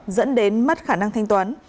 dẫn đến mất khả năng thanh toán